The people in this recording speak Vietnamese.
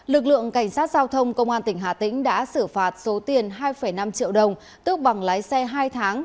lực lượng cảnh sát giao thông công an tỉnh hà tĩnh đã xử phạt số tiền hai năm triệu đồng tước bằng lái xe hai tháng